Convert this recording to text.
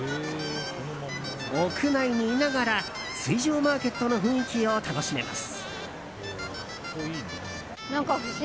屋内にいながら水上マーケットの雰囲気を楽しめます。